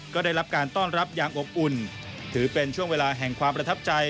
ก็ได้รับการต้อนรับอย่างอบอุ่นถือเป็นช่วงเวลาแห่งความประทับใจ